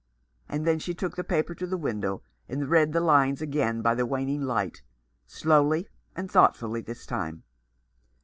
And then she took the paper to the window and read the lines again by the waning light, slowly and thoughtfully this time.